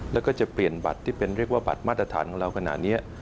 แล้วก็จะเปลี่ยนบัตรที่เป็นเรียกว่าบัตรมาตรฐานของเราขนาดนี้